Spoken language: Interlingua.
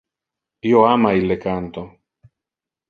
Io ama ille canto.